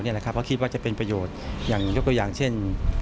เพราะคิดว่าจะเป็นประโยชน์อย่างยกตัวอย่างเช่น